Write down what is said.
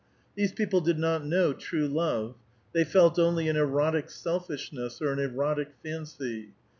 These people did not know true love. They felt only an erotic selfishness, or an erotic fancy.